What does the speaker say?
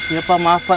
iya pak maaf pak